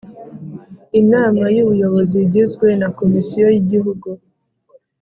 Inama y ubuyobozi igizwe na komisiyo y igihugu